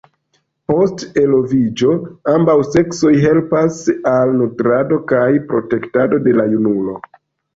Post eloviĝo, ambaŭ seksoj helpas al nutrado kaj protektado de la junulo.